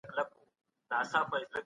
دا ناول د ټولني رښتينی انځور وړاندې کوي.